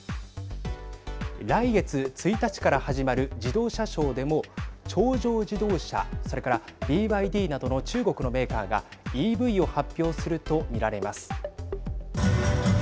来月１日から始まる自動車ショーでも長城自動車、それからＢＹＤなどの中国のメーカーがＥＶを発表すると見られます。